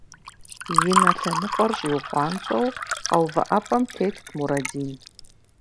И нэ лъэныкъуэр щӏиукъуанцӏэу къэувыӏэпӏэм тетт Мурадин.